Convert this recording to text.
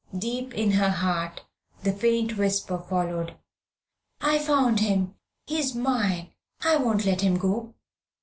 Deep in her heart the faint whisper followed "I found him; he's mine. I won't let him go."